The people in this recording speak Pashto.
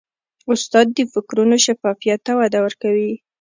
استاد د فکرونو شفافیت ته وده ورکوي.